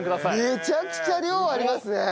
めちゃくちゃ量ありますね。